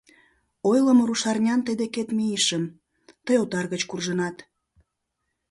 Ойлымо рушарнян тый декет мийышым — тый отар гыч куржынат...